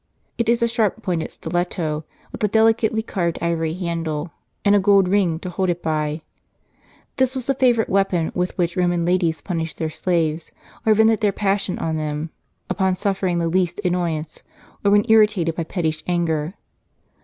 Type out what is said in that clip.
It is a sharp pointed stiletto, with a delicately carved ivory handle, and a gold ring, to hold it by. This was the favorite weapon with which Roman ladies punished their slaves, or vented their passion on them, upon suffering the least annoyance, or when irritated by pettish anger.